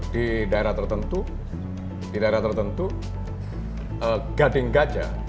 di daerah tertentu gading gajah